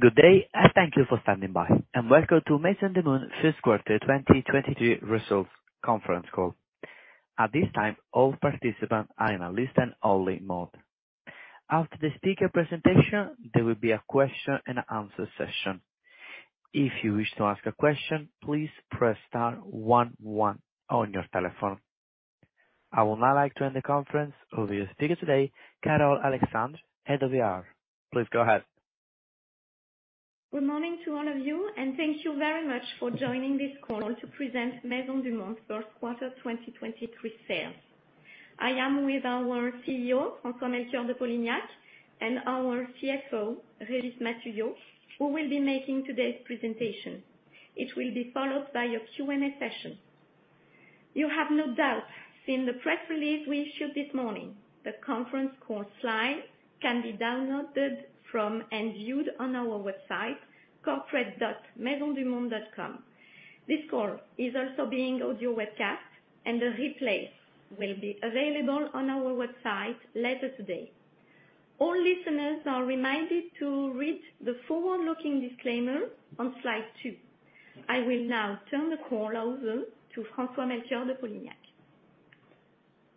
Good day, and thank you for standing by, and welcome to Maisons du Monde first quarter 2023 results conference call. At this time, all participants are in a listen only mode. After the speaker presentation, there will be a question and answer session. If you wish to ask a question, please press star 11 on your telephone. I would now like to end the conference with your speaker today, Carole Alexandre, Head of IR. Please go ahead. Good morning to all of you, and thank you very much for joining this call to present Maisons du Monde first quarter 2023 sales. I am with our CEO, François-Melchior de Polignac, and our CFO, Régis Mathieu, who will be making today's presentation. It will be followed by a Q&A session. You have no doubt seen the press release we issued this morning. The conference call slide can be downloaded from, and viewed on our website, corporate.maisonsdumonde.com. This call is also being audio webcast, and the replay will be available on our website later today. All listeners are reminded to read the forward-looking disclaimer on slide 2. I will now turn the call over to François-Melchior de Polignac.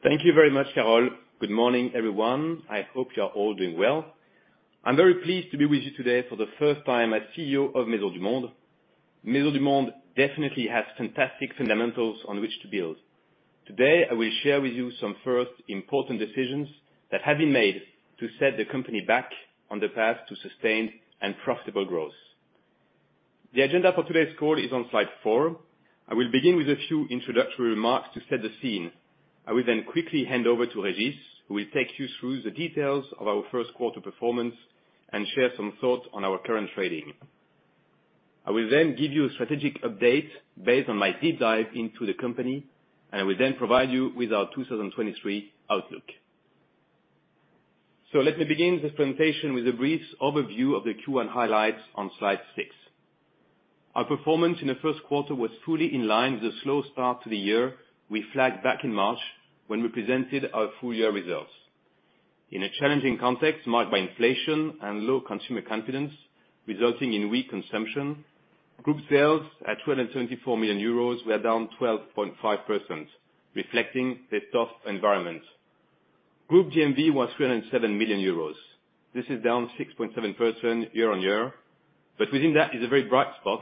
Thank you very much, Carole. Good morning, everyone. I hope you're all doing well. I'm very pleased to be with you today for the first time as CEO of Maisons du Monde. Maisons du Monde definitely has fantastic fundamentals on which to build. Today, I will share with you some first important decisions that have been made to set the company back on the path to sustained and profitable growth. The agenda for today's call is on slide 4. I will begin with a few introductory remarks to set the scene. I will quickly hand over to Régis, who will take you through the details of our first quarter performance and share some thoughts on our current trading. I will give you a strategic update based on my deep dive into the company. I will provide you with our 2023 outlook. Let me begin this presentation with a brief overview of the Q1 highlights on slide 6. Our performance in the first quarter was fully in line with the slow start to the year we flagged back in March when we presented our full year results. In a challenging context marked by inflation and low consumer confidence resulting in weak consumption, group sales at 274 million euros were down 12.5%, reflecting the tough environment. Group GMV was 307 million euros. This is down 6.7% year-on-year. Within that is a very bright spot.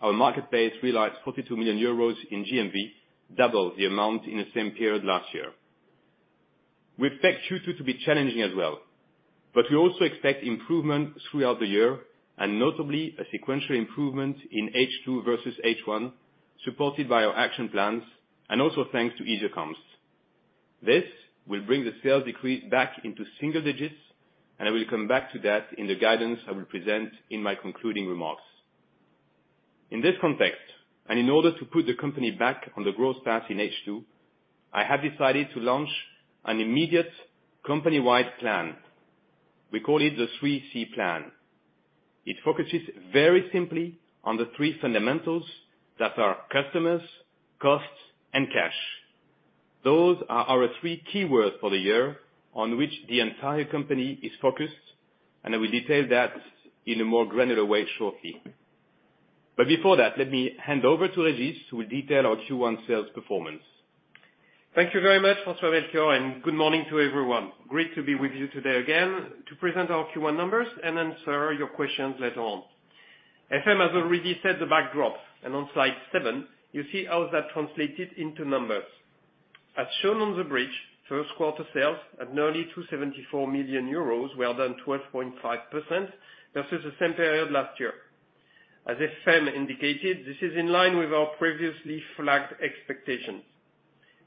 Our marketplace realized 42 million euros in GMV, double the amount in the same period last year. We expect Q2 to be challenging as well, we also expect improvement throughout the year and notably a sequential improvement in H2 versus H1, supported by our action plans and also thanks to easier comps. This will bring the sales decrease back into single digits, I will come back to that in the guidance I will present in my concluding remarks. In this context, in order to put the company back on the growth path in H2, I have decided to launch an immediate company-wide plan. We call it the 3C Plan. It focuses very simply on the three fundamentals that are Customers, Costs, and Cash. Those are our three key words for the year on which the entire company is focused, I will detail that in a more granular way shortly. Before that, let me hand over to Régis, who will detail our Q1 sales performance. Thank you very much, François-Melchior. Good morning to everyone. Great to be with you today again to present our Q1 numbers and answer your questions later on. FM has already set the backdrop. On slide 7, you see how that translated into numbers. As shown on the bridge, first quarter sales at nearly 274 million euros were down 12.5% versus the same period last year. As FM indicated, this is in line with our previously flagged expectations.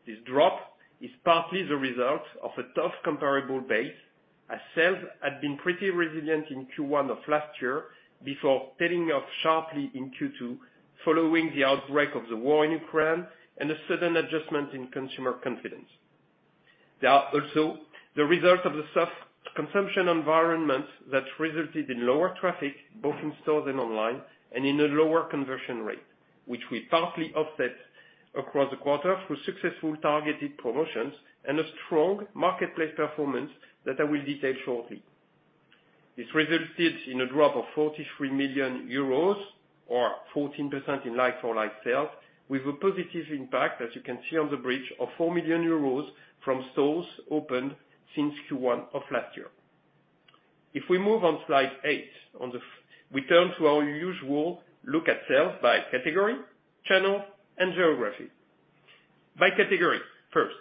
This drop is partly the result of a tough comparable base, as sales had been pretty resilient in Q1 of last year before trailing off sharply in Q2 following the outbreak of the war in Ukraine and a sudden adjustment in consumer confidence. They are also the result of the soft consumption environment that resulted in lower traffic, both in stores and online, in a lower conversion rate, which we partly offset across the quarter through successful targeted promotions and a strong marketplace performance that I will detail shortly. This resulted in a drop of 43 million euros or 14% in like-for-like sales, with a positive impact, as you can see on the bridge, of 4 million euros from stores opened since Q1 of last year. If we move on slide eight, we turn to our usual look at sales by category, channel, and geography. By category, first,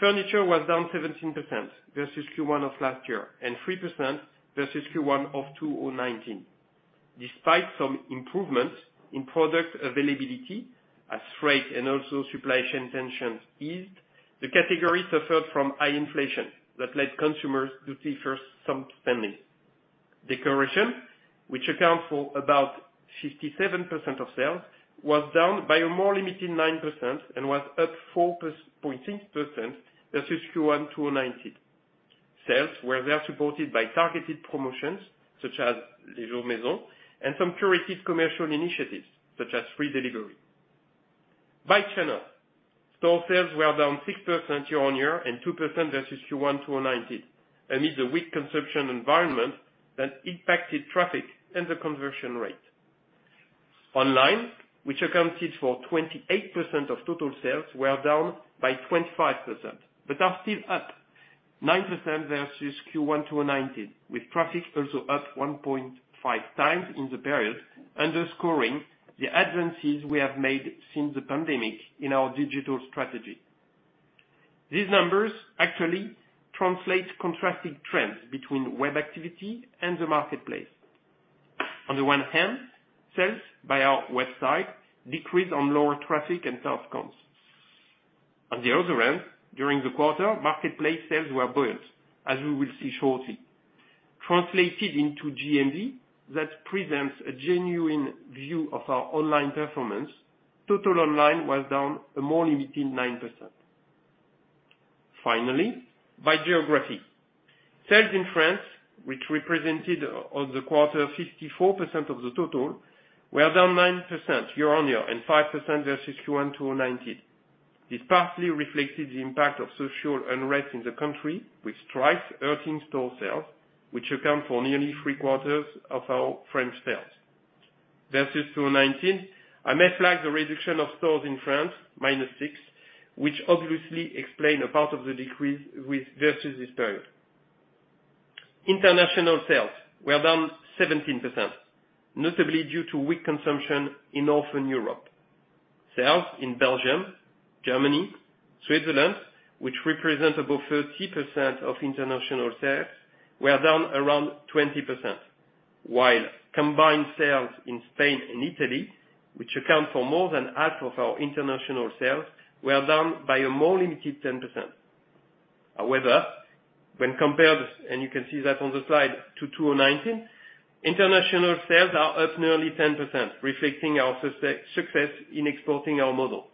furniture was down 17% versus Q1 of last year and 3% versus Q1 of 2019. Despite some improvements in product availability as freight and also supply chain tensions eased, the category suffered from high inflation that led consumers to defer some spending. Decoration, which accounts for about 57% of sales, was down by a more limited 9% and was up 4.6% versus Q1 2019. Sales were well supported by targeted promotions such as Les Journées Maison and some curated commercial initiatives such as free delivery. By channel, store sales were down 6% year-over-year and 2% versus Q1 2019. Amid the weak consumption environment that impacted traffic and the conversion rate. Online, which accounted for 28% of total sales, were down by 25%, but are still up 9% versus Q1 2019, with traffic also up 1.5 times in the period, underscoring the advances we have made since the pandemic in our digital strategy. These numbers actually translate contrasting trends between web activity and the marketplace. On the one hand, sales by our website decreased on lower traffic and cart comps. On the other hand, during the quarter, marketplace sales were buoyant, as we will see shortly. Translated into GMV, that presents a genuine view of our online performance. Total online was down a more limited 9%. Finally, by geography. Sales in France, which represented of the quarter 54% of the total, were down 9% year-on-year and 5% versus Q1 2019. This partially reflected the impact of social unrest in the country, with strikes hurting store sales, which account for nearly three-quarters of our French sales. Versus 2019, I may flag the reduction of stores in France, -6, which obviously explain a part of the decrease with versus this period. International sales were down 17%, notably due to weak consumption in Northern Europe. Sales in Belgium, Germany, Switzerland, which represent above 30% of international sales, were down around 20%. Combined sales in Spain and Italy, which account for more than half of our international sales, were down by a more limited 10%. When compared, and you can see that on the slide, to 2019, international sales are up nearly 10%, reflecting our success in exporting our model.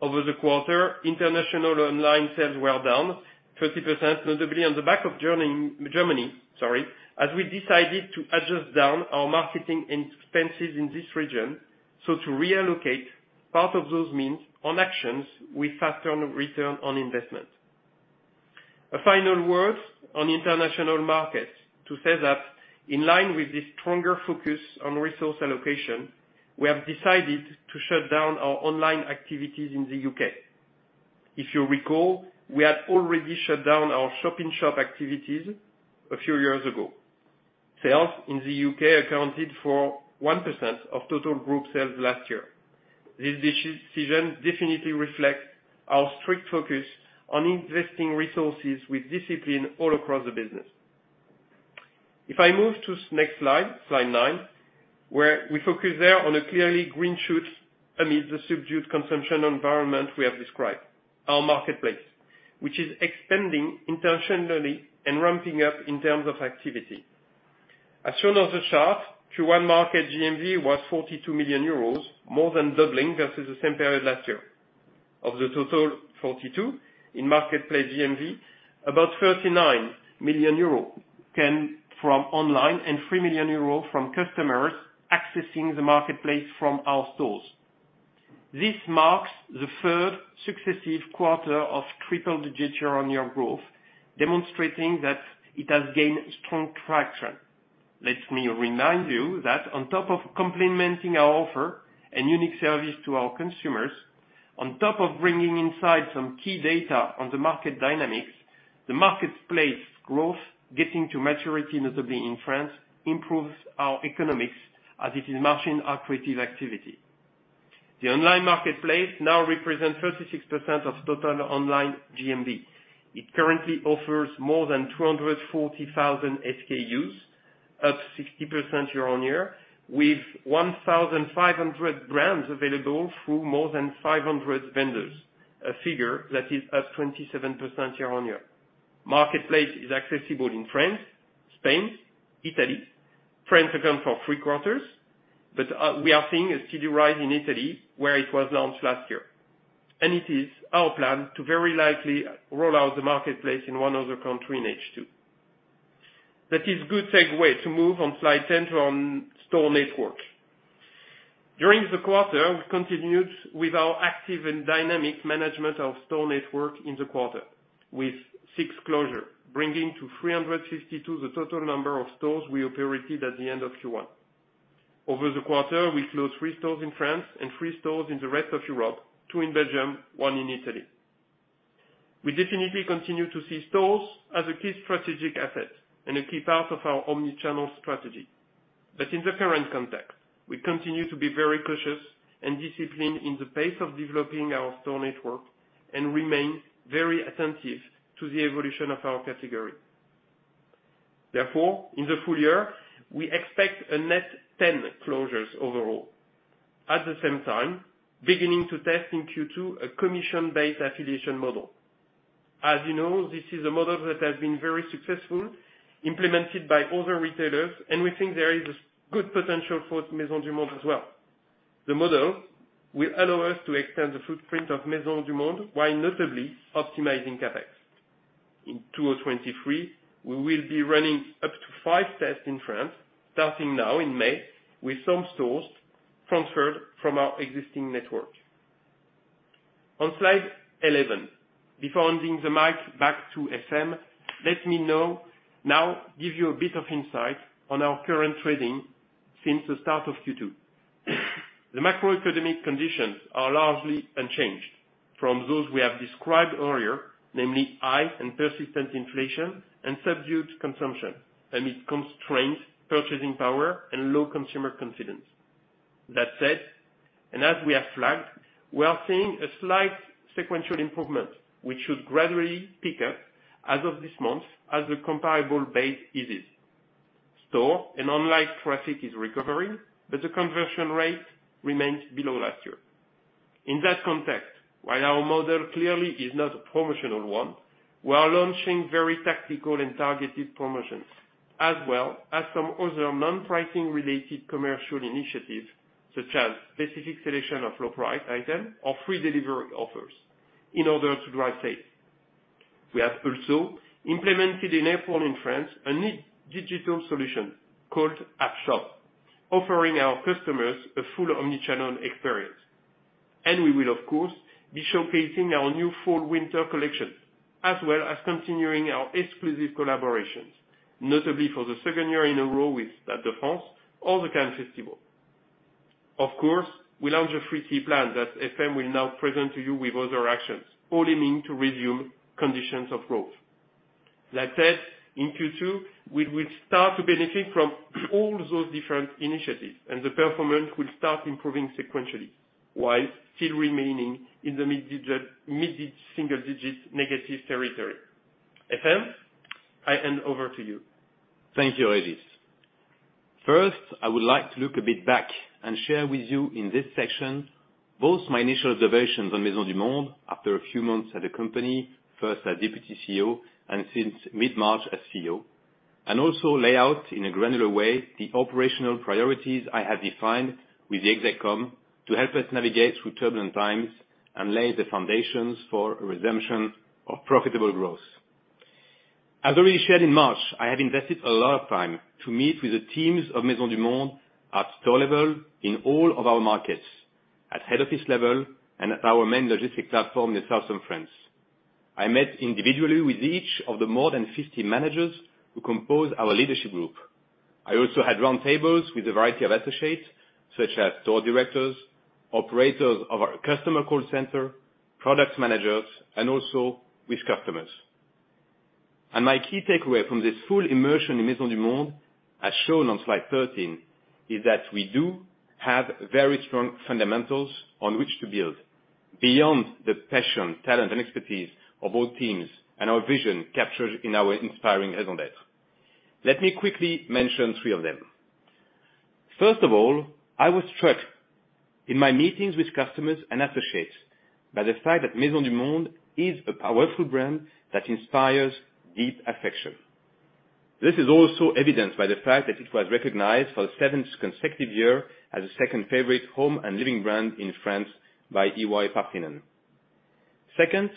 Over the quarter, international online sales were down 30%, notably on the back of Germany, sorry, as we decided to adjust down our marketing expenses in this region, to reallocate part of those means on actions with faster ROI. A final word on international markets to say that in line with this stronger focus on resource allocation, we have decided to shut down our online activities in the U.K. If you recall, we had already shut down our shop-in-shop activities a few years ago. Sales in the U.K. accounted for 1% of total group sales last year. This decision definitely reflects our strict focus on investing resources with discipline all across the business. If I move to next slide 9, where we focus there on a clearly green shoots amid the subdued consumption environment we have described, our marketplace, which is expanding intentionally and ramping up in terms of activity. Shown on the chart, Q1 market GMV was 42 million euros, more than doubling versus the same period last year. Of the total 42 in marketplace GMV, about 39 million euros came from online and 3 million euros from customers accessing the marketplace from our stores. This marks the third successive quarter of triple-digit year-over-year growth, demonstrating that it has gained strong traction. Let me remind you that on top of complementing our offer and unique service to our consumers, on top of bringing inside some key data on the market dynamics, the marketplace growth, getting to maturity, notably in France, improves our economics as it is margining our creative activity. The online marketplace now represents 36% of total online GMV. It currently offers more than 240,000 SKUs, up 60% year-over-year, with 1,500 brands available through more than 500 vendors, a figure that is up 27% year-over-year. Marketplace is accessible in France, Spain, Italy. France account for three quarters, we are seeing a steady rise in Italy, where it was launched last year. It is our plan to very likely roll out the marketplace in one other country in H2. That is good segue to move on slide 10 on store network. During the quarter, we continued with our active and dynamic management of store network in the quarter, with 6 closure, bringing to 352 the total number of stores we operated at the end of Q1. Over the quarter, we closed 3 stores in France and 3 stores in the rest of Europe, 2 in Belgium, 1 in Italy. We definitely continue to see stores as a key strategic asset and a key part of our omnichannel strategy. In the current context, we continue to be very cautious and disciplined in the pace of developing our store network and remain very attentive to the evolution of our category. In the full year, we expect a net 10 closures overall. At the same time, beginning to test in Q2 a commission-based affiliation model. As you know, this is a model that has been very successful, implemented by other retailers, and we think there is good potential for Maisons du Monde as well. The model will allow us to extend the footprint of Maisons du Monde while notably optimizing CapEx. In 2023, we will be running up to 5 tests in France, starting now in May, with some stores transferred from our existing network. On slide 11, before handing the mic back to FM, let me now give you a bit of insight on our current trading since the start of Q2. The macroeconomic conditions are largely unchanged from those we have described earlier, namely high and persistent inflation and subdued consumption amid constrained purchasing power and low consumer confidence. That said, as we have flagged, we are seeing a slight sequential improvement which should gradually pick up as of this month as the comparable base eases. Store and online traffic is recovering, but the conversion rate remains below last year. In that context, while our model clearly is not a promotional one, we are launching very tactical and targeted promotions, as well as some other non-pricing related commercial initiatives such as specific selection of low price item or free delivery offers in order to drive sales. We have also implemented in airport in France a new digital solution called App Shop, offering our customers a full omnichannel experience. We will of course, be showcasing our new fall winter collection as well as continuing our exclusive collaborations, notably for the second year in a row with Stade de France or the Festival de Cannes. Of course, we launched a free plan that FM will now present to you with other actions fully meant to resume conditions of growth. In Q2, we will start to benefit from all those different initiatives and the performance will start improving sequentially, while still remaining in the mid-single digit negative territory. FM, I hand over to you. Thank you, Régis. First, I would like to look a bit back and share with you in this section both my initial observations on Maisons du Monde after a few months at the company, first as Deputy CEO and since mid-March as CEO. Also lay out in a granular way the operational priorities I have defined with the Exec Com to help us navigate through turbulent times and lay the foundations for a redemption of profitable growth. As already shared in March, I have invested a lot of time to meet with the teams of Maisons du Monde at store level in all of our markets, at head office level, and at our main logistic platform in Southern France. I met individually with each of the more than 50 managers who compose our leadership group. I also had round tables with a variety of associates such as store directors, operators of our customer call center, product managers, and also with customers. My key takeaway from this full immersion in Maisons du Monde, as shown on slide 13, is that we do have very strong fundamentals on which to build beyond the passion, talent, and expertise of all teams and our vision captured in our inspiring raison d'être. Let me quickly mention 3 of them. First of all, I was struck in my meetings with customers and associates by the fact that Maisons du Monde is a powerful brand that inspires deep affection. This is also evidenced by the fact that it was recognized for the 7th consecutive year as the 2nd favorite home and living brand in France by EY-Parthenon. Second,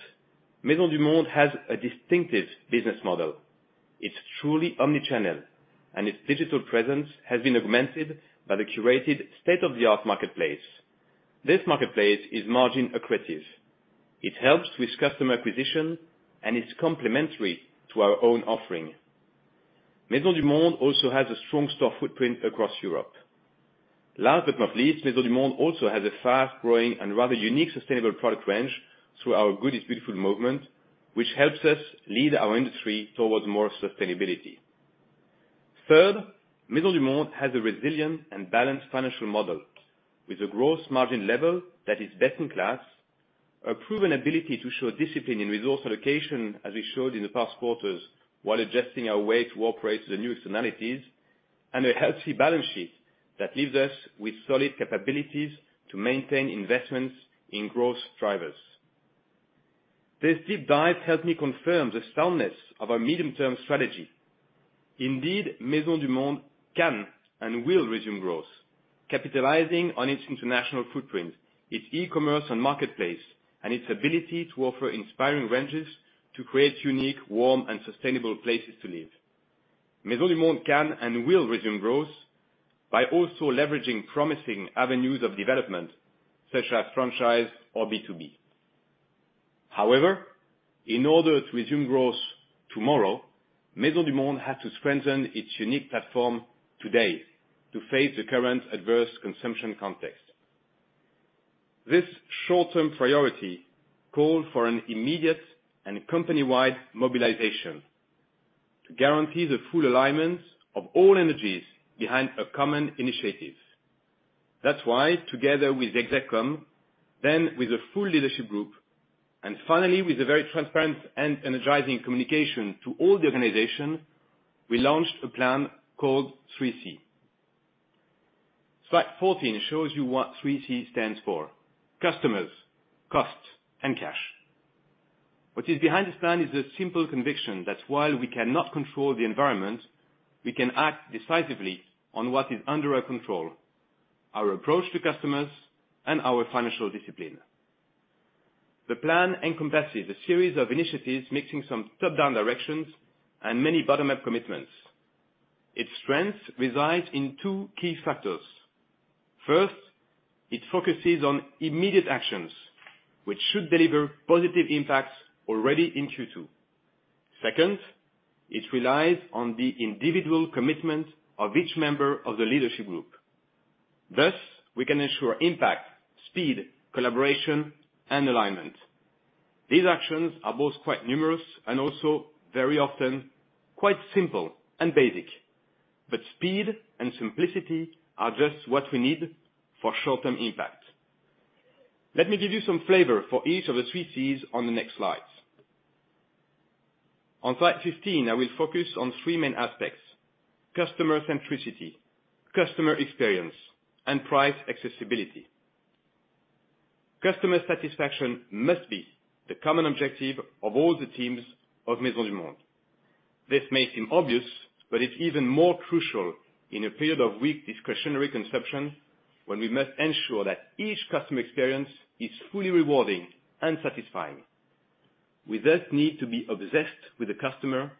Maisons du Monde has a distinctive business model. It's truly omnichannel, and its digital presence has been augmented by the curated state-of-the-art marketplace. This marketplace is margin accretive. It helps with customer acquisition and is complementary to our own offering. Maisons du Monde also has a strong store footprint across Europe. Last but not least, Maisons du Monde also has a fast-growing and rather unique sustainable product range through our Good is Beautiful movement, which helps us lead our industry towards more sustainability. Third, Maisons du Monde has a resilient and balanced financial model with a growth margin level that is best in class, a proven ability to show discipline in resource allocation, as we showed in the past quarters, while adjusting our way to operate to the new functionalities, and a healthy balance sheet that leaves us with solid capabilities to maintain investments in growth drivers. This deep dive helped me confirm the soundness of our medium-term strategy. Indeed, Maisons du Monde can and will resume growth, capitalizing on its international footprint, its e-commerce and marketplace, and its ability to offer inspiring ranges to create unique, warm and sustainable places to live. Maisons du Monde can and will resume growth by also leveraging promising avenues of development such as franchise or B2B. However, in order to resume growth tomorrow, Maisons du Monde has to strengthen its unique platform today to face the current adverse consumption context. This short-term priority called for an immediate and company-wide mobilization to guarantee the full alignment of all energies behind a common initiative. That's why together with the Exec Com, then with the full leadership group, and finally with a very transparent and energizing communication to all the organization, we launched a plan called 3C. Slide 14 shows you what 3C stands for: customers, cost, and cash. What is behind this plan is a simple conviction that while we cannot control the environment, we can act decisively on what is under our control. Our approach to customers and our financial discipline. The plan encompasses a series of initiatives mixing some top-down directions and many bottom-up commitments. Its strength resides in 2 key factors. First, it focuses on immediate actions which should deliver positive impacts already in Q2. Second, it relies on the individual commitment of each member of the leadership group. Thus, we can ensure impact, speed, collaboration and alignment. These actions are both quite numerous and also very often quite simple and basic. Speed and simplicity are just what we need for short-term impact. Let me give you some flavor for each of the 3 Cs on the next slides. On slide 15, I will focus on three main aspects: customer centricity, customer experience, and price accessibility. Customer satisfaction must be the common objective of all the teams of Maisons du Monde. This may seem obvious, but it's even more crucial in a period of weak discretionary consumption when we must ensure that each customer experience is fully rewarding and satisfying. We thus need to be obsessed with the customer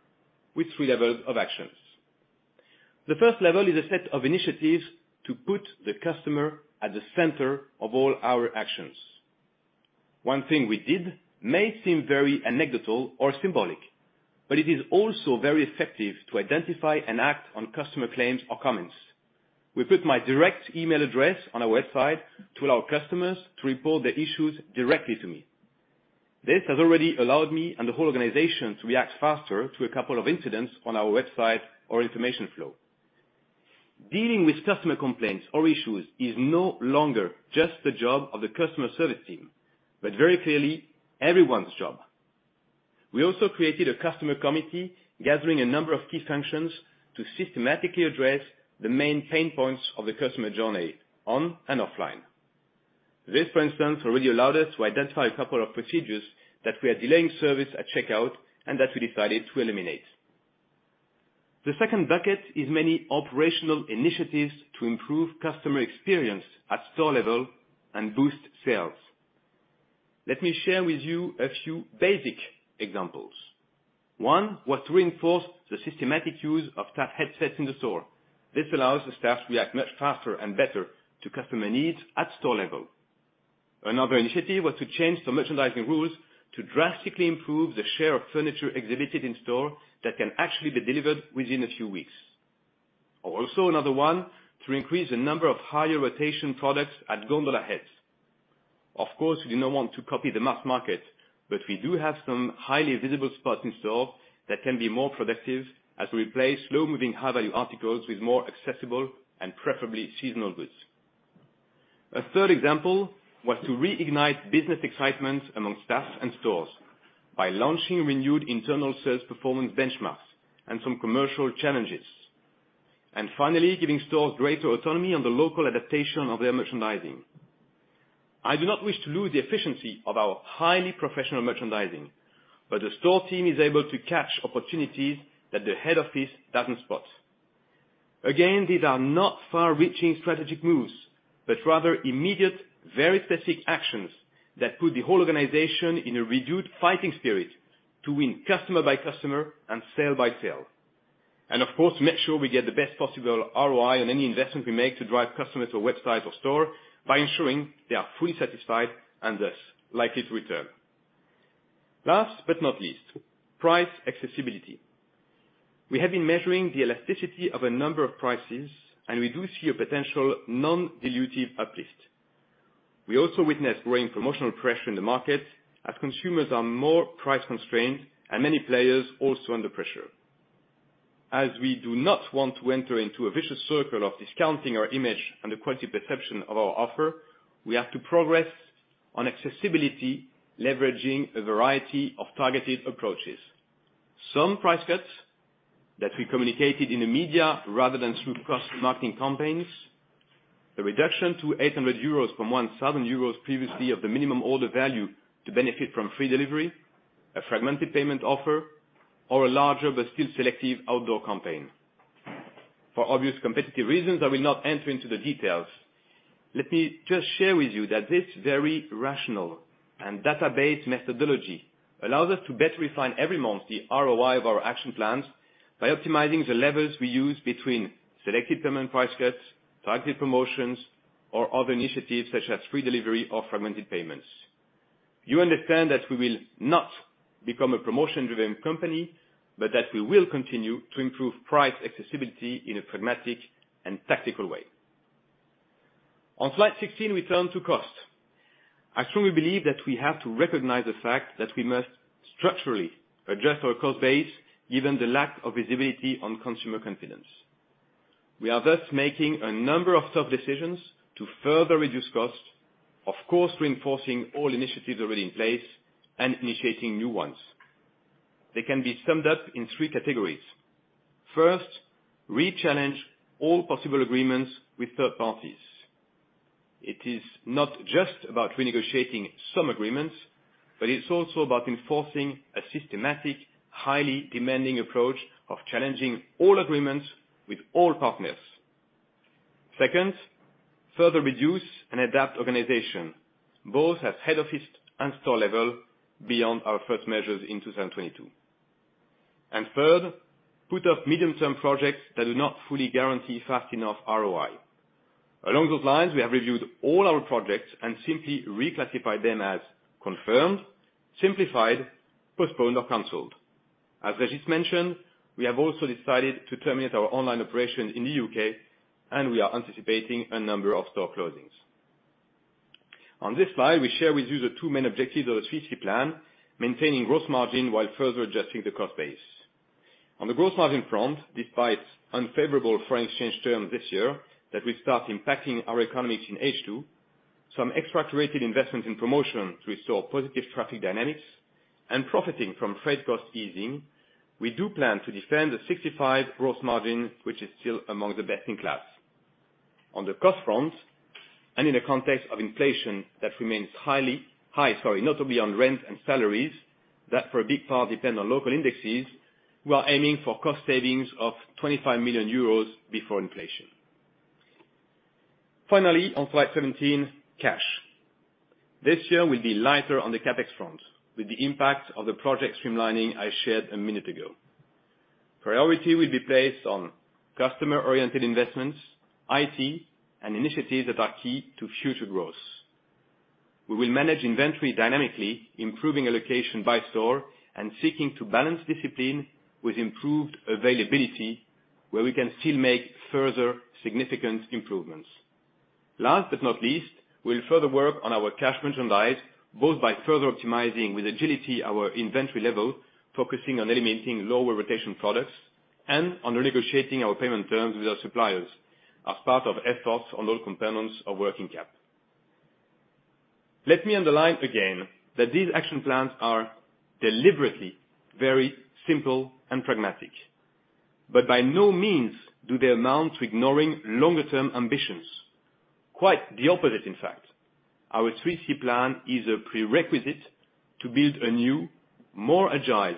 with three levels of actions. The first level is a set of initiatives to put the customer at the center of all our actions. One thing we did may seem very anecdotal or symbolic, but it is also very effective to identify and act on customer claims or comments. We put my direct email address on our website to allow customers to report their issues directly to me. This has already allowed me and the whole organization to react faster to a couple of incidents on our website or information flow. Dealing with customer complaints or issues is no longer just the job of the customer service team, but very clearly everyone's job. We also created a customer committee gathering a number of key functions to systematically address the main pain points of the customer journey on and offline. This, for instance, already allowed us to identify a couple of procedures that were delaying service at checkout and that we decided to eliminate. The second bucket is many operational initiatives to improve customer experience at store level and boost sales. Let me share with you a few basic examples. One was to reinforce the systematic use of staff headsets in the store. This allows the staff to react much faster and better to customer needs at store level. Another initiative was to change the merchandising rules to drastically improve the share of furniture exhibited in store that can actually be delivered within a few weeks. Another one to increase the number of higher rotation products at gondola heads. Of course, we do not want to copy the mass market, but we do have some highly visible spots in store that can be more productive as we replace slow-moving high-value articles with more accessible and preferably seasonal goods. A third example was to reignite business excitement among staff and stores by launching renewed internal sales performance benchmarks and some commercial challenges. Finally, giving stores greater autonomy on the local adaptation of their merchandising. I do not wish to lose the efficiency of our highly professional merchandising, but the store team is able to catch opportunities that the head office doesn't spot. Again, these are not far-reaching strategic moves, but rather immediate, very specific actions that put the whole organization in a renewed fighting spirit to win customer by customer and sale by sale. Of course, make sure we get the best possible ROI on any investment we make to drive customers to website or store by ensuring they are fully satisfied and thus likely to return. Last but not least, price accessibility. We have been measuring the elasticity of a number of prices, and we do see a potential non-dilutive uplift. We also witness growing promotional pressure in the market as consumers are more price constrained and many players also under pressure. As we do not want to enter into a vicious circle of discounting our image and the quality perception of our offer, we have to progress on accessibility, leveraging a variety of targeted approaches. Some price cuts that we communicated in the media rather than through cross marketing campaigns, the reduction to 800 euros from 1,000 euros previously of the minimum order value to benefit from free delivery, a fragmented payment offer, or a larger but still selective outdoor campaign. For obvious competitive reasons, I will not enter into the details. Let me just share with you that this very rational and database methodology allows us to better refine every month the ROI of our action plans by optimizing the levels we use between selective payment price cuts, targeted promotions, or other initiatives such as free delivery or fragmented payments. You understand that we will not become a promotion-driven company, but that we will continue to improve price accessibility in a pragmatic and tactical way. On slide 16, we turn to cost. I strongly believe that we have to recognize the fact that we must structurally adjust our cost base given the lack of visibility on consumer confidence. We are thus making a number of tough decisions to further reduce cost, of course, reinforcing all initiatives already in place and initiating new ones. They can be summed up in three categories. First, re-challenge all possible agreements with third parties. It is not just about renegotiating some agreements, but it's also about enforcing a systematic, highly demanding approach of challenging all agreements with all partners. Second, further reduce and adapt organization, both at head office and store level beyond our first measures in 2022. Third, put up medium-term projects that do not fully guarantee fast enough ROI. Along those lines, we have reviewed all our projects and simply reclassified them as confirmed, simplified, postponed or canceled. As Régis mentioned, we have also decided to terminate our online operation in the U.K., and we are anticipating a number of store closings. On this slide, we share with you the two main objectives of the 3C Plan, maintaining gross margin while further adjusting the cost base. On the gross margin front, despite unfavorable foreign exchange terms this year that will start impacting our economics in H2, some extra curated investments in promotion to restore positive traffic dynamics and profiting from freight cost easing, we do plan to defend the 65% gross margin, which is still among the best in class. On the cost front and in a context of inflation that remains high, notably on rent and salaries, that for a big part depend on local indexes, we are aiming for cost savings of 25 million euros before inflation. Finally, on slide 17, cash. This year will be lighter on the CapEx front, with the impact of the project streamlining I shared a minute ago. Priority will be placed on customer-oriented investments, IT, and initiatives that are key to future growth. We will manage inventory dynamically, improving allocation by store and seeking to balance discipline with improved availability where we can still make further significant improvements. Last but not least, we'll further work on our cash merchandise, both by further optimizing with agility our inventory level, focusing on eliminating lower rotation products and on renegotiating our payment terms with our suppliers as part of efforts on all components of working cap. Let me underline again that these action plans are deliberately very simple and pragmatic, but by no means do they amount to ignoring longer-term ambitions. Quite the opposite, in fact. Our 3C Plan is a prerequisite to build a new, more agile,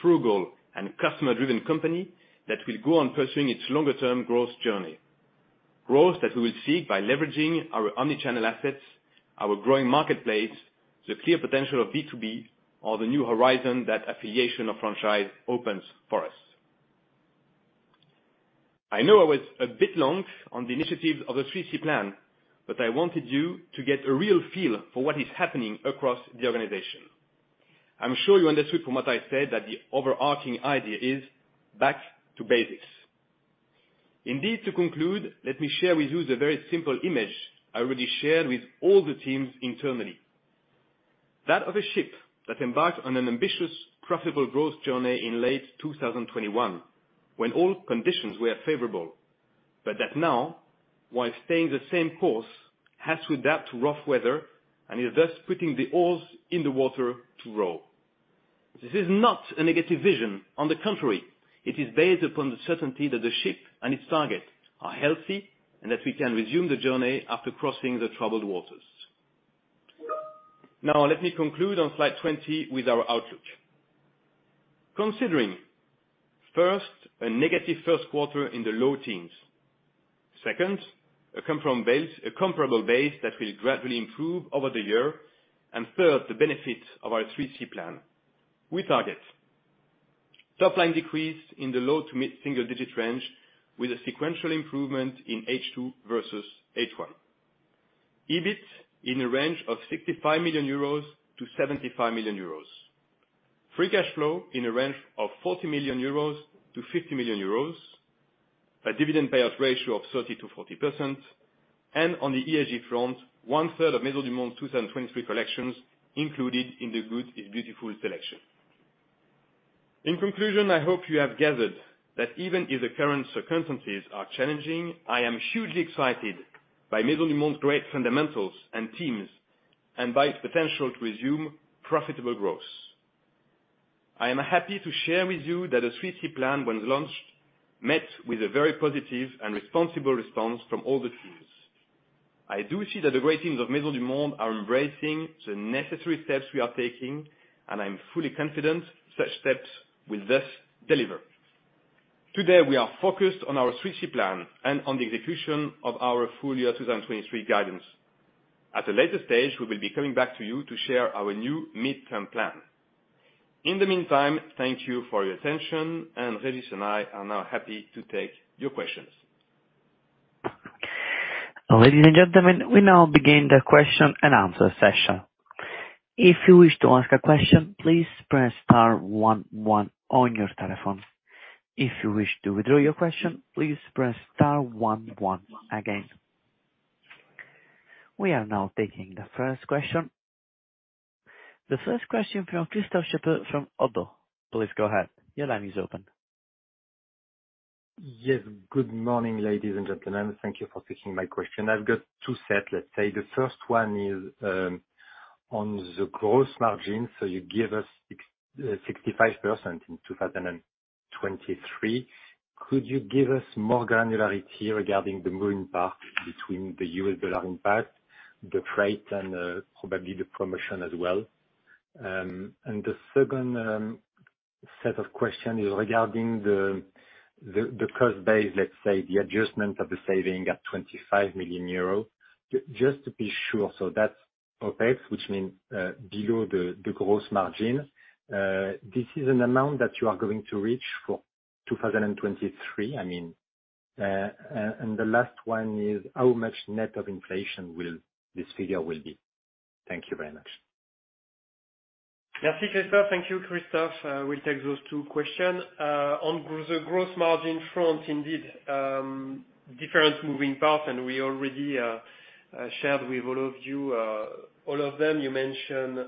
frugal, and customer-driven company that will go on pursuing its longer-term growth journey. Growth that we will seek by leveraging our omnichannel assets, our growing marketplace, the clear potential of B2B, or the new horizon that affiliation of franchise opens for us. I know I was a bit long on the initiative of the 3C Plan, but I wanted you to get a real feel for what is happening across the organization. I'm sure you understood from what I said that the overarching idea is back to basics. Indeed, to conclude, let me share with you the very simple image I already shared with all the teams internally. That of a ship that embarked on an ambitious, profitable growth journey in late 2021, when all conditions were favorable. That now, while staying the same course, has to adapt to rough weather and is thus putting the oars in the water to row. This is not a negative vision, on the contrary, it is based upon the certainty that the ship and its target are healthy and that we can resume the journey after crossing the troubled waters. Now let me conclude on slide 20 with our outlook. Considering first, a negative first quarter in the low teens, second, a comparable base that will gradually improve over the year, and third, the benefit of our 3C Plan. We target top line decrease in the low to mid-single digit % range with a sequential improvement in H2 versus H1. EBIT in a range of 65 million-75 million euros. Free cash flow in a range of 40 million-50 million euros. A dividend payout ratio of 30%-40%. On the ESG front, one-third of Maisons du Monde 2023 collections included in the Good Is Beautiful selection. In conclusion, I hope you have gathered that even if the current circumstances are challenging, I am hugely excited by Maisons du Monde's great fundamentals and teams, and by its potential to resume profitable growth. I am happy to share with you that the 3C Plan, when launched, met with a very positive and responsible response from all the teams. I do see that the great teams of Maisons du Monde are embracing the necessary steps we are taking, and I'm fully confident such steps will thus deliver. Today, we are focused on our 3C Plan and on the execution of our full year 2023 guidance. At a later stage, we will be coming back to you to share our new midterm plan. In the meantime, thank you for your attention, and Regis and I are now happy to take your questions. Ladies and gentlemen, we now begin the question and answer session. If you wish to ask a question, please press star one one on your telephone. If you wish to withdraw your question, please press star one one again. We are now taking the first question. The first question from Christophe Schwope from Oddo BHF. Please go ahead. Your line is open. Good morning, ladies and gentlemen. Thank you for taking my question. I've got two set, let's say. The first one is on the gross margin. You give us 65%. 23. Could you give us more granularity regarding the moving parts between the US dollar impact, the freight, and probably the promotion as well? The second set of question is regarding the cost base, let's say the adjustment of the saving at 25 million euros. Just to be sure, so that's OPEX, which means below the gross margin. The last one is how much net of inflation will this figure will be? Thank you very much. Thank you, Christophe. we'll take those two question. On the gross margin front, indeed, different moving parts, and we already shared with all of you all of them. You mentioned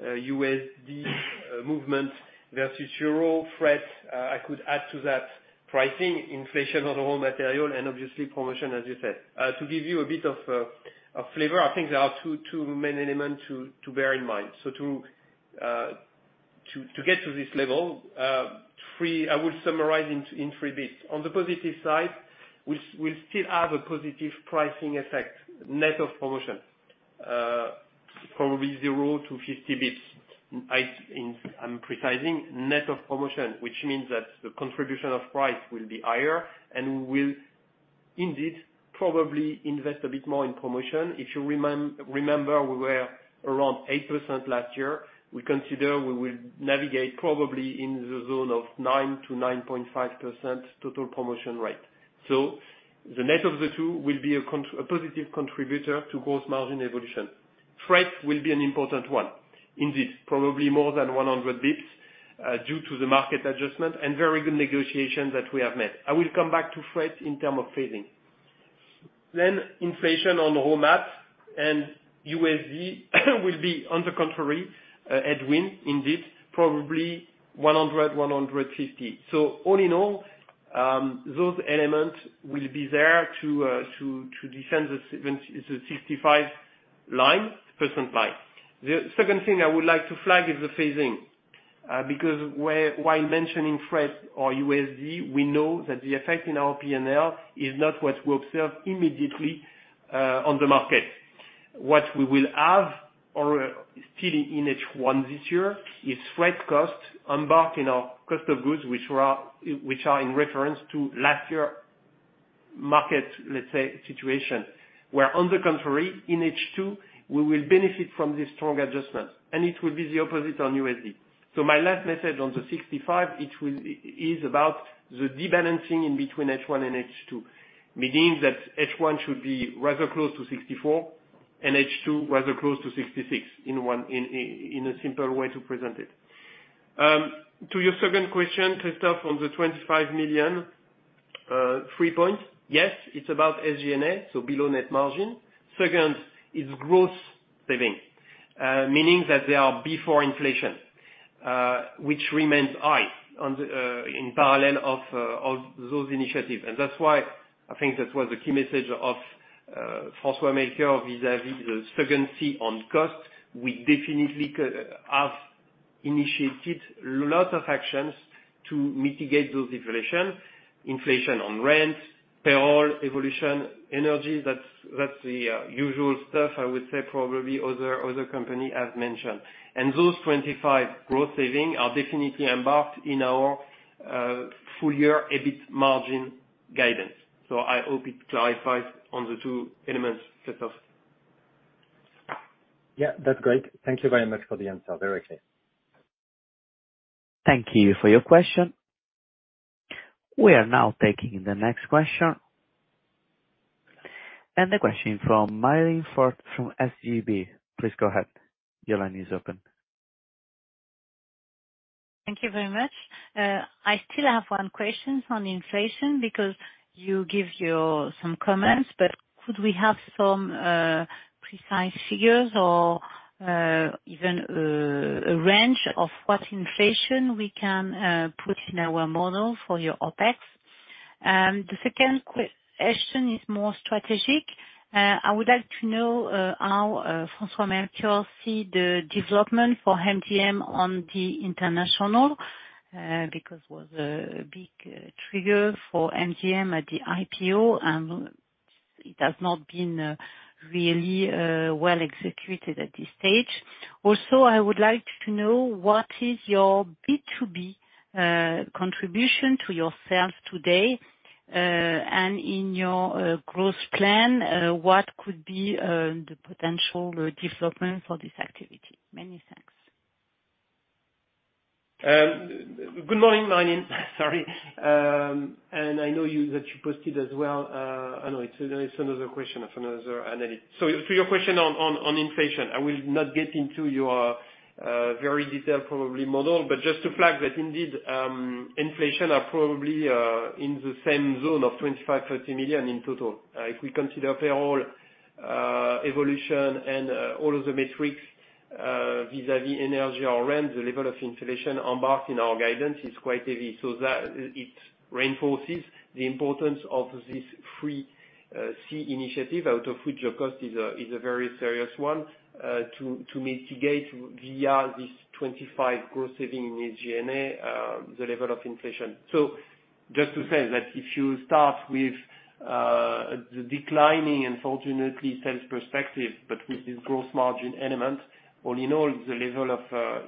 $, movement versus EUR, freight. I could add to that pricing, inflation on the raw material and obviously promotion as you said. To give you a bit of flavor, I think there are two main element to bear in mind. So to get to this level, I would summarize in three bits. On the positive side, we still have a positive pricing effect net of promotion, probably 0 to 50 basis points. I'm precising net of promotion which means that the contribution of price will be higher, and we will indeed probably invest a bit more in promotion. If you remember, we were around 8% last year. We consider we will navigate probably in the zone of 9%-9.5% total promotion rate. So the net of the two will be a positive contributor to gross margin evolution. Freight will be an important one, indeed, probably more than 100 basis points, due to the market adjustment and very good negotiations that we have made. I will come back to freight in term of phasing. Inflation on raw mat and USD will be on the contrary headwind, indeed, probably 100-150 basis points. All in all, those elements will be there to defend the 65% line. The second thing I would like to flag is the phasing, because while mentioning freight or USD, we know that the effect in our P&L is not what we observe immediately on the market. What we will have or still in H1 this year is freight cost embarked in our cost of goods which are in reference to last year market, let's say, situation. Where on the contrary, in H2, we will benefit from the strong adjustment, and it will be the opposite on USD. My last message on the 65, it is about the de-balancing in between H1 and H2, meaning that H1 should be rather close to 64 and H2 rather close to 66 in a simpler way to present it. To your second question, Christophe, on the 25 million. 3 points. Yes, it's about SG&A, so below net margin. Second, it's gross saving, meaning that they are before inflation, which remains high on the in parallel of those initiatives. That's why I think that was the key message of Francois-Melchior vis-à-vis the resiliency on cost. We definitely have initiated lot of actions to mitigate those inflation. Inflation on rent, payroll, evolution, energy, that's the usual stuff I would say probably other company has mentioned. Those 25 growth saving are definitely embarked in our full year EBIT margin guidance. I hope it clarifies on the two elements set off. Yeah, that's great. Thank you very much for the answer. Very clear. Thank you for your question. We are now taking the next question. The question from Marie-Line Fort from Societe Generale. Please go ahead. Your line is open. Thank you very much. I still have one question on inflation because you give your, some comments, but could we have some precise figures or even a range of what inflation we can put in our model for your OpEx? The second question is more strategic. I would like to know how François Mercure see the development for Maisons du Monde on the international, because it was a big trigger for Maisons du Monde at the IPO, and it has not been really well executed at this stage. Also, I would like to know what is your B2B contribution to yourself today, and in your growth plan, what could be the potential development for this activity? Many thanks. Good morning, Marilyn. Sorry. I know you, that you posted as well. I know it's another question of another analyst. To your question on, on inflation. I will not get into your very detailed probably model. Just to flag that indeed, inflation are probably in the same zone of 25 million, 30 million in total. If we consider payroll evolution and all of the metrics vis-à-vis energy or rent, the level of inflation embarked in our guidance is quite heavy. That it reinforces the importance of this 3C initiative, out of which your cost is a very serious one to mitigate via this 25 million growth saving in SG&A the level of inflation. Just to say that if you start with the declining, unfortunately, sales perspective, but with this gross margin element, all in all, the level of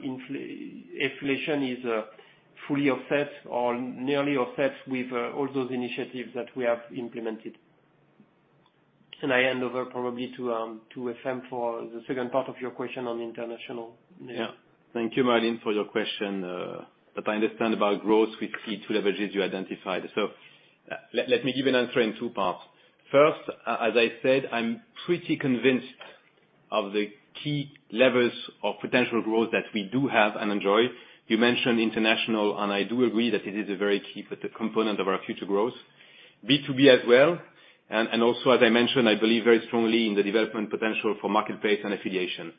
inflation is fully offset or nearly offset with all those initiatives that we have implemented. I hand over probably to FM for the second part of your question on international. Yeah. Thank you, Marion, for your question. I understand about growth with key two leverages you identified. Let me give an answer in two parts. First, as I said, I'm pretty convinced of the key levers of potential growth that we do have and enjoy. You mentioned international, and I do agree that it is a very key potential component of our future growth, B2B as well, and also as I mentioned, I believe very strongly in the development potential for marketplace and affiliation.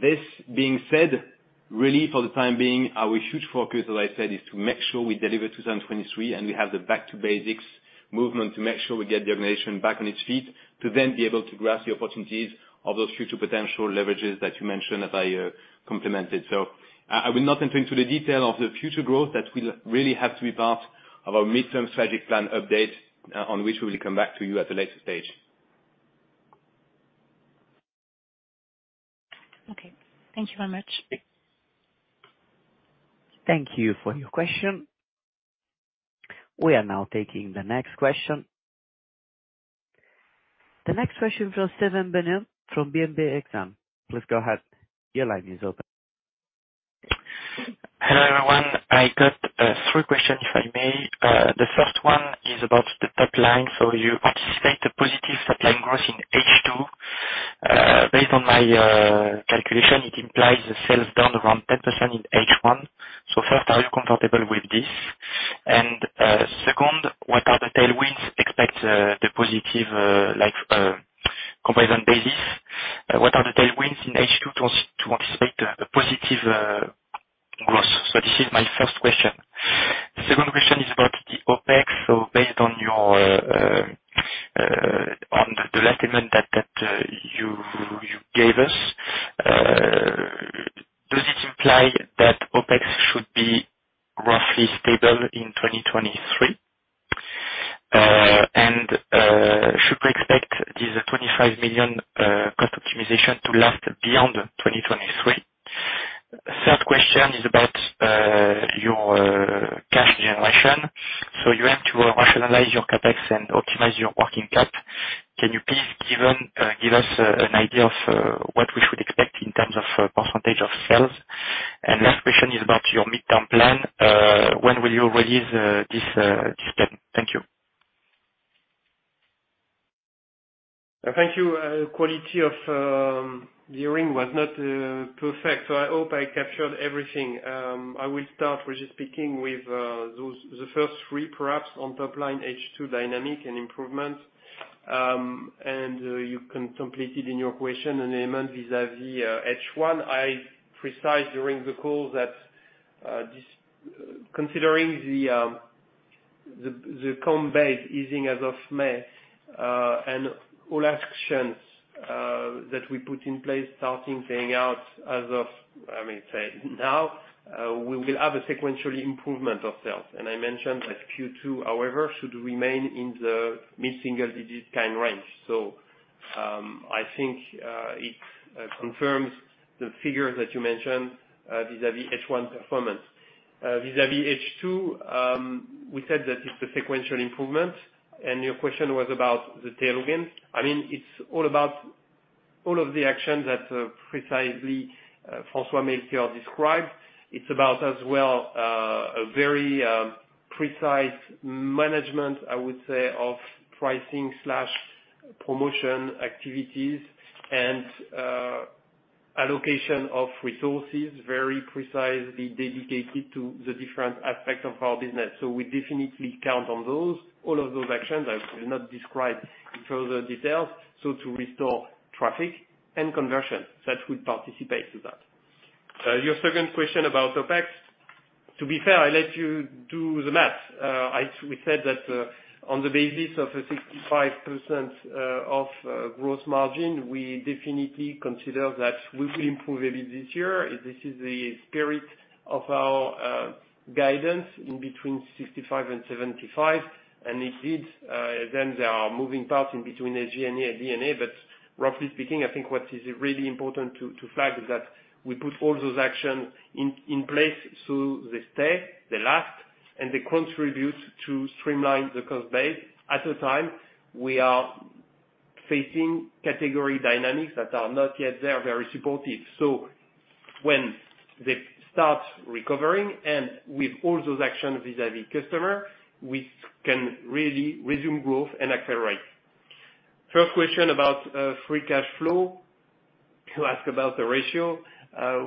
This being said, really for the time being, our huge focus, as I said, is to make sure we deliver 2023. We have the back to basics movement to make sure we get the organization back on its feet, to then be able to grasp the opportunities of those future potential leverages that you mentioned, as I complimented. I will not enter into the detail of the future growth. That will really have to be part of our midterm strategic plan update, on which we will come back to you at a later stage. Okay. Thank you very much. Thank you for your question. We are now taking the next question. The next question from Steven Billiet from BNP Paribas Exane. Please go ahead. Your line is open. Hello, everyone. I got 3 questions, if I may. The first one is about the top line. You anticipate a positive top line growth in H2. Based on my calculation, it implies the sales down around 10% in H1. First, are you comfortable with this? Second, what are the tailwinds expect the positive like comparison basis? What are the tailwinds in H2 to anticipate a positive growth? This is my first question. Second question is about the OpEx. Based on your on the statement that you gave us, does it imply that OpEx should be roughly stable in 2023? Should we expect this 25 million cost optimization to last beyond 2023? Third question is about your cash generation. You have to rationalize your CapEx and optimize your working cap. Can you please give us an idea of what we should expect in terms of percentage of sales? Last question is about your midterm plan. When will you release this plan? Thank you. Thank you. Quality of the hearing was not perfect, so I hope I captured everything. I will start with just speaking with the first three, perhaps on top line H2 dynamic and improvement. You can complete it in your question, and EBIT vis-à-vis H1. I precise during the call that, considering the comb base easing as of May, and all actions that we put in place starting paying out as of, I may say, now, we will have a sequential improvement of sales. I mentioned that Q2, however, should remain in the mid single digits kind of range. I think it confirms the figures that you mentioned, vis-à-vis H1 performance. Vis-à-vis H2, we said that it's a sequential improvement, and your question was about the tailwind. I mean, it's all about all of the actions that precisely François-Melchior described. It's about as well a very precise management, I would say, of pricing/promotion activities and allocation of resources very precisely dedicated to the different aspects of our business. We definitely count on those, all of those actions. I will not describe in further details. To restore traffic and conversion that will participate to that. Your second question about OpEx. To be fair, I let you do the math. We said that on the basis of a 65% of gross margin, we definitely consider that we will improve a bit this year. This is the spirit of our guidance in between 65% and 75%. Indeed, then there are moving parts in between G&A and D&A. Roughly speaking, I think what is really important to flag is that we put all those actions in place, so they stay the last, and they contribute to streamline the cost base. At the time, we are facing category dynamics that are not yet there, very supportive. When they start recovering and with all those actions vis-à-vis customer, we can really resume growth and accelerate. Third question about free cash flow. You ask about the ratio.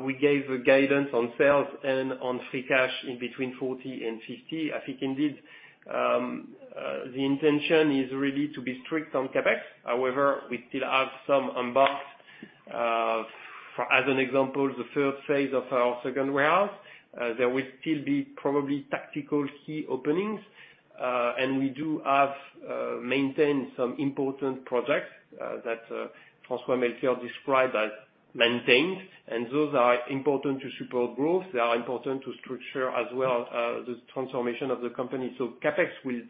We gave a guidance on sales and on free cash in between 40 million and 50 million. I think indeed, the intention is really to be strict on CapEx. However, we still have some unboxed. As an example, the third phase of our second warehouse, there will still be probably tactical key openings. We do have maintained some important projects that François-Melchior described as maintained, and those are important to support growth. They are important to structure as well the transformation of the company. CapEx will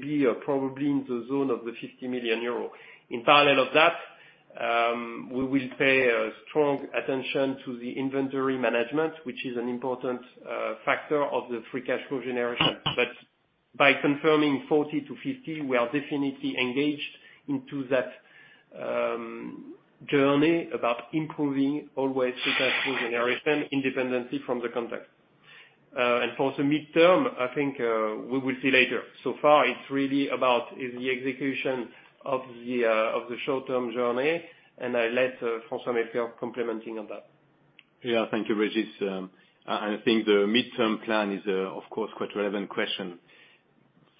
be probably in the zone of the 50 million euro. In parallel of that, we will pay a strong attention to the inventory management, which is an important factor of the free cash flow generation. By confirming 40 million-50 million, we are definitely engaged into that journey about improving always free cash flow generation independency from the contract. For the midterm, I think, we will see later. Far, it's really about the execution of the short-term journey, and I let François-Melchior complementing on that. Thank you, Régis. I think the midterm plan is, of course, quite relevant question.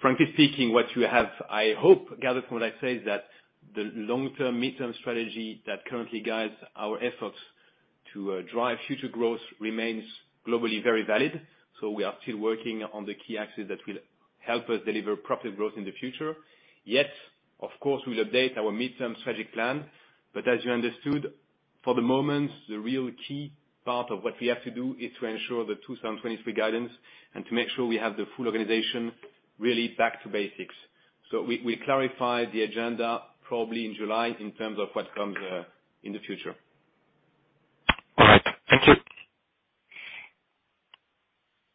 Frankly speaking, what you have, I hope, gathered from what I said, that the long-term, midterm strategy that currently guides our efforts to drive future growth remains globally very valid. We are still working on the key axes that will help us deliver profit growth in the future. Of course, we'll update our midterm strategic plan. As you understood, for the moment, the real key part of what we have to do is to ensure the 2023 guidance and to make sure we have the full organization really back to basics. We clarify the agenda probably in July in terms of what comes in the future. All right. Thank you.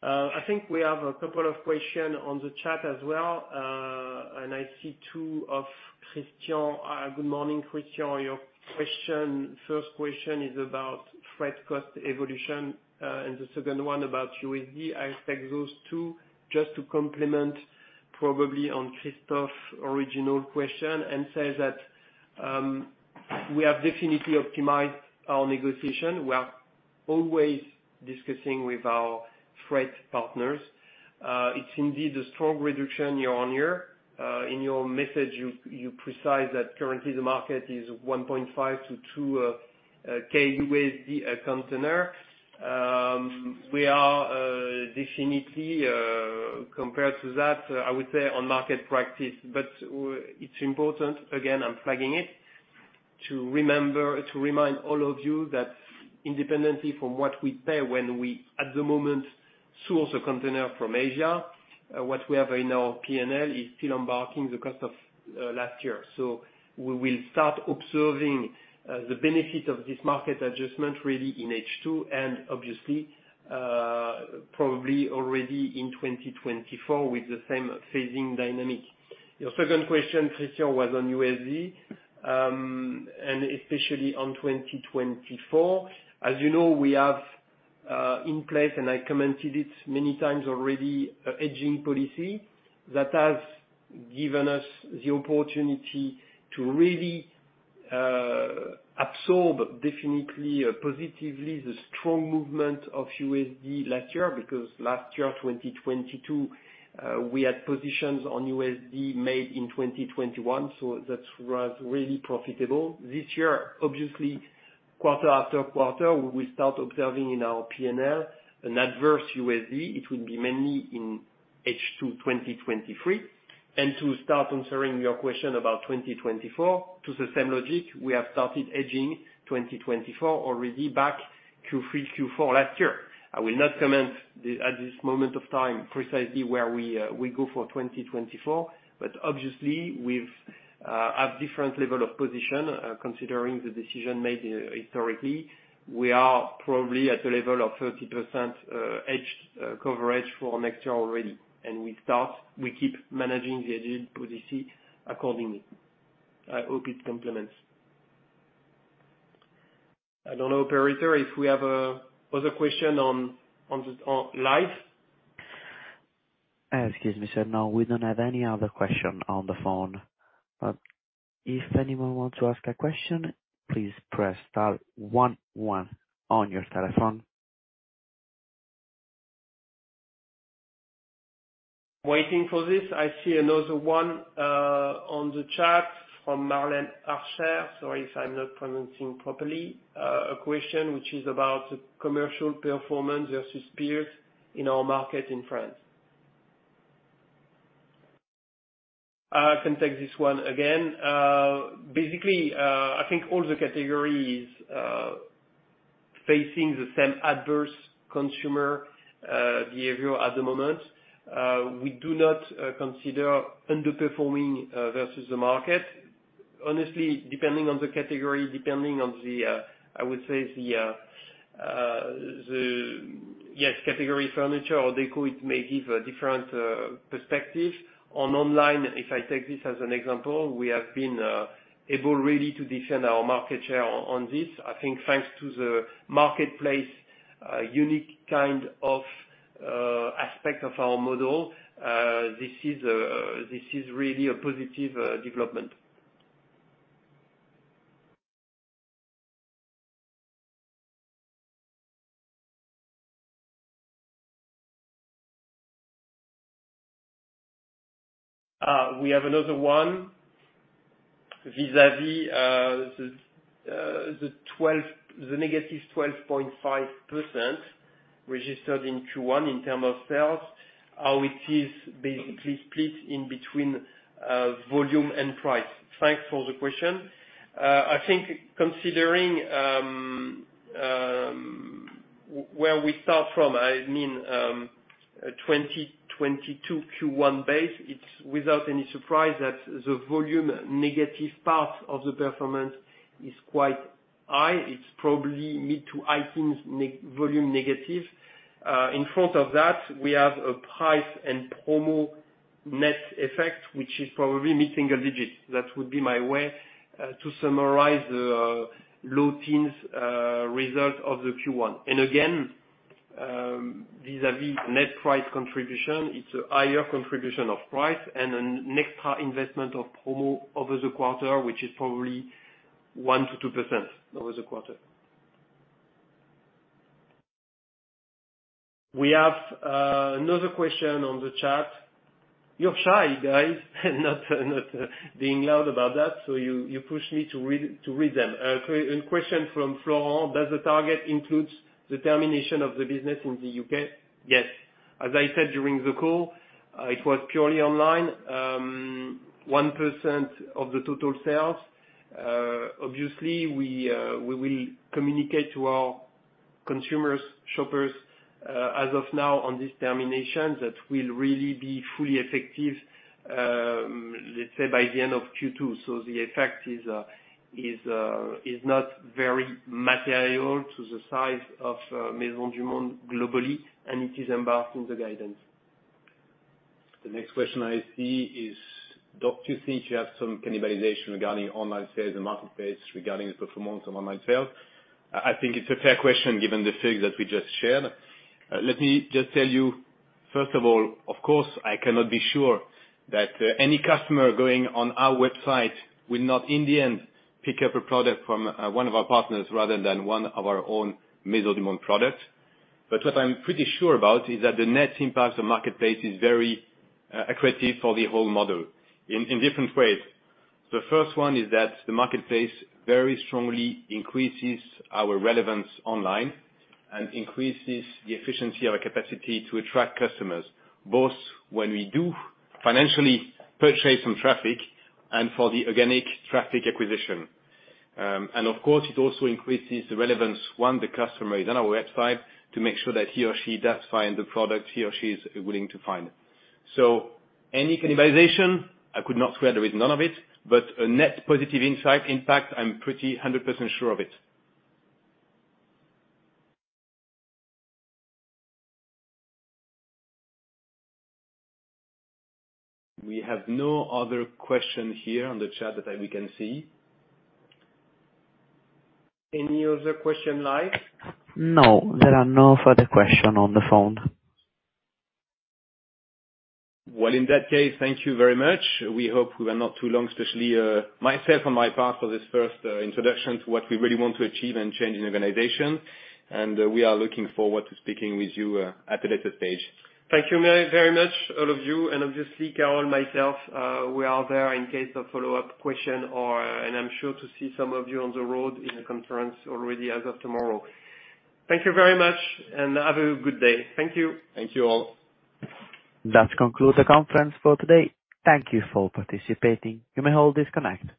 I think we have a couple of question on the chat as well. I see two of Christian. Good morning, Christian. Your first question is about freight cost evolution, and the second one about USD. I expect those two just to complement probably on Christophe original question and say that, we have definitely optimized our negotiation. We are always discussing with our freight partners. It's indeed a strong reduction year-over-year. In your message, you precise that currently the market is 1.5 KUSD-2 KUSD container. We are, definitely, compared to that, I would say on market practice. It's important, again, I'm flagging it, to remind all of you that independently from what we pay when we at the moment source a container from Asia, what we have in our P&L is still embarking the cost of last year. We will start observing the benefit of this market adjustment really in H2 and obviously probably already in 2024 with the same phasing dynamic. Your second question, Christophe, was on USD and especially on 2024. You know, we have in place, and I commented it many times already, a hedging policy that has given us the opportunity to really absorb definitely, positively the strong movement of USD last year. Last year, 2022, we had positions on USD made in 2021, so that was really profitable. This year, obviously, quarter after quarter, we start observing in our P&L an adverse USD. It will be mainly in H2 2023. To start answering your question about 2024, to the same logic, we have started hedging 2024 already back Q3, Q4 last year. I will not comment the, at this moment of time, precisely where we we go for 2024, but obviously, we've at different level of position, considering the decision made historically, we are probably at a level of 30% hedged coverage for next year already. We start, we keep managing the hedging policy accordingly. I hope it complements. I don't know, operator, if we have a other question on the, on live. Excuse me, sir. No, we don't have any other question on the phone. If anyone wants to ask a question, please press star one one on your telephone. Waiting for this. I see another one on the chat from Marlène Aufray. Sorry if I'm not pronouncing properly. A question which is about commercial performance versus peers in our market in France. I can take this one again. Basically, I think all the categories facing the same adverse consumer behavior at the moment. We do not consider underperforming versus the market. Honestly, depending on the category, depending on the, I would say the, yes, category furniture or decor, it may give a different perspective. On online, if I take this as an example, we have been able really to defend our market share on this. I think thanks to the marketplace, unique kind of aspect of our model. This is really a positive development. We have another one vis-a-vis the -12.5% registered in Q1 in term of sales, how it is basically split in between volume and price. Thanks for the question. I think considering where we start from, I mean, 2022 Q1 base, it's without any surprise that the volume negative part of the performance is quite high. It's probably mid to high teens volume negative. In front of that, we have a price and promo net effect, which is probably mid-single digits. That would be my way to summarize the low teens result of the Q1. Again, vis-a-vis net price contribution, it's a higher contribution of price and an extra investment of promo over the quarter, which is probably 1%-2% over the quarter. We have another question on the chat. You're shy, guys, not being loud about that. You push me to read them. A question from Florent: Does the target includes the termination of the business in the U.K.? Yes. As I said during the call, it was purely online, 1% of the total sales. Obviously, we will communicate to our consumers, shoppers, as of now on this termination that will really be fully effective, let's say by the end of Q2. The effect is not very material to the size of Maisons du Monde globally, and it is embarked in the guidance. The next question I see is: Don't you think you have some cannibalization regarding online sales and marketplace regarding the performance of online sales? I think it's a fair question given the figures that we just shared. Let me just tell you, first of all, of course, I cannot be sure that any customer going on our website will not, in the end, pick up a product from one of our partners rather than one of our own Maisons du Monde products. What I'm pretty sure about is that the net impact of marketplace is very accretive for the whole model in different ways. The first one is that the marketplace very strongly increases our relevance online and increases the efficiency of our capacity to attract customers, both when we do financially purchase some traffic and for the organic traffic acquisition. Of course, it also increases the relevance when the customer is on our website to make sure that he or she does find the product he or she is willing to find. Any cannibalization, I could not swear there is none of it, but a net positive insight impact, I'm pretty 100% sure of it. We have no other question here on the chat we can see. Any other question live? No, there are no further questions on the phone. Well, in that case, thank you very much. We hope we were not too long, especially myself on my part for this first introduction to what we really want to achieve and change in the organization. We are looking forward to speaking with you at a later stage. Thank you, Marie, very much, all of you. Obviously, Carol, myself, we are there in case of follow-up question. I'm sure to see some of you on the road in a conference already as of tomorrow. Thank you very much. Have a good day. Thank you. Thank you all. That concludes the conference for today. Thank you for participating. You may all disconnect.